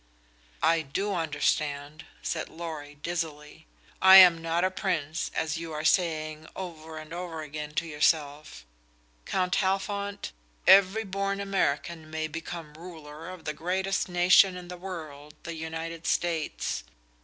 "I do understand," said Lorry, dizzily. "I am not a prince, as you are saying over and over again to yourself. Count Halfont, every born American may become ruler of the greatest nation in the world the United States.